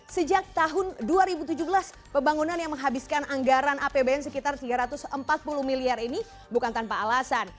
sejak tahun dua ribu tujuh belas pembangunan yang menghabiskan anggaran apbn sekitar tiga ratus empat puluh miliar ini bukan tanpa alasan